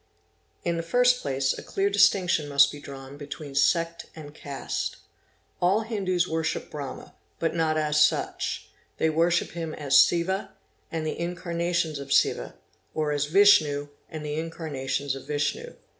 In the first place a clear distinction must be drawn between sect and caste. All Hindus worship Brahma, but not as such. They worship — ii i a ._ CASTE 845 him as Siva and the incarnations of Siva, or as Vishnu and the inecar _ nations of Vishnu.